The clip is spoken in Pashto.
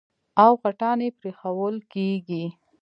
او غټان يې پرېښوول کېږي.